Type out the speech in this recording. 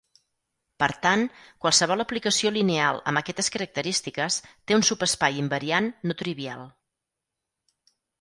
Per tant, qualsevol aplicació lineal amb aquestes característiques té un subespai invariant no trivial.